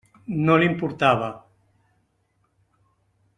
No li importava.